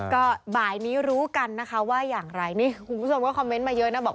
ก็บ่ายนี้รู้กันนะคะว่าอย่างไรนี่คุณผู้ชมก็คอมเมนต์มาเยอะนะบอก